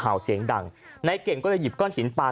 เสียงดังนายเก่งก็เลยหยิบก้อนหินปลา